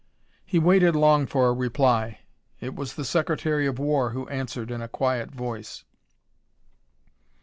He waited long for a reply. It was the Secretary of War who answered in a quiet voice.